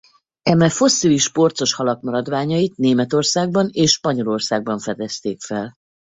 Eme fosszilis porcos halak maradványait Németországban és Spanyolországban fedezték fel.